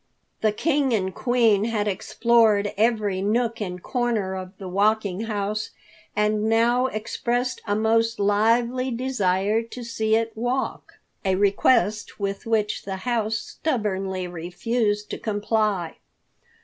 The King and Queen had explored every nook and corner of the Walking House, and now expressed a most lively desire to see it walk, a request with which the House stubbornly refused to comply.